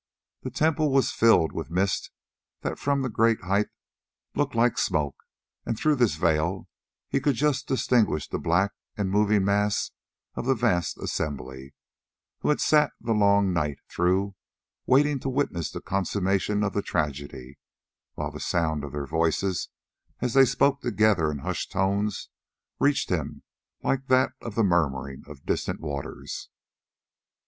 The temple was filled with mist that from the great height looked like smoke, and through this veil he could just distinguish the black and moving mass of the vast assembly, who had sat the long night through waiting to witness the consummation of the tragedy, while the sound of their voices as they spoke together in hushed tones reached him like that of the murmuring of distant waters.